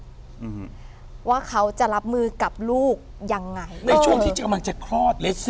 อืมว่าเขาจะรับมือกับลูกยังไงในช่วงที่กำลังจะคลอดเล็